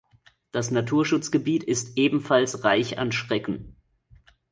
Das Naturschutzgebiet ist ebenfalls reich an Schrecken.